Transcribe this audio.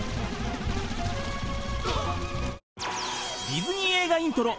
［ディズニー映画イントロ。